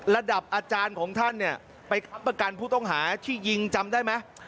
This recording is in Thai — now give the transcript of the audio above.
ระดับอาจารย์ของท่านเนี่ยไปค้ำประกันผู้ต้องหาที่ยิงจำได้ไหม